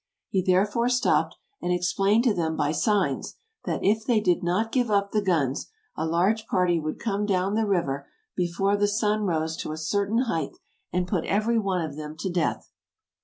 He therefore stopped, and explained to them by signs, that if they did not give up the guns, a large party would come down the river before the sun rose to a certain height* and put every one of them to death.